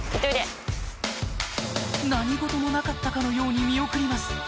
何事もなかったかのように見送ります